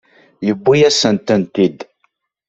Yewwi-yasen-tent-id.